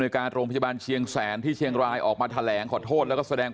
การโรงพยาบาลเชียงแสนที่เชียงรายออกมาแถลงขอโทษแล้วก็แสดง